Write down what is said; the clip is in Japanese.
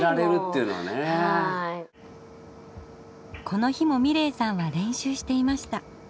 この日も美礼さんは練習していました。